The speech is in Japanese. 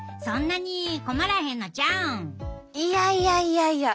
いやいやいやいや。